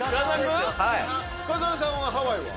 深澤さんはハワイは？